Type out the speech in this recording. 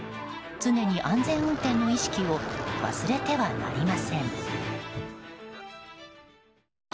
常に安全運転の意識を忘れてはなりません。